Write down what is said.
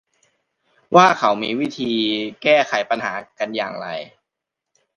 ว่าเขามีวิธีแก้ไขปัญหากันอย่างไร